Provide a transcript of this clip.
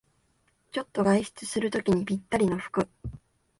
ちょっと外出するときにぴったりの服